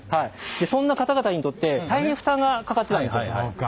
そんな方々にとって大変負担がかかってたんですよ。